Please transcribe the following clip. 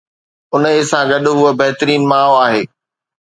انهي سان گڏ، هوء بهترين ماء آهي